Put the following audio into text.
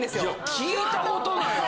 聞いたことないわ。